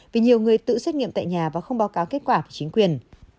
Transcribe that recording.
vì nhiều người tự xét nghiệm tại nhà và không báo cáo kết quả của chính quyền